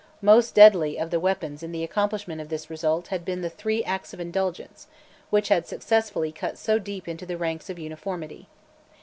Most deadly of the weapons in the accomplishment of this result had been the three Acts of Indulgence which had successively cut so deep into the ranks of uniformity.